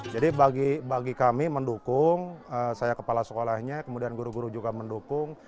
jadi bagi kami mendukung saya kepala sekolahnya kemudian guru guru juga mendukung